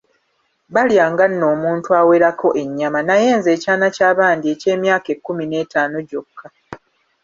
Balyanga nno omuntu awerako ennyama, naye nze ekyana kya bandi eky’emyaka ekkumi n’etaano gyokka.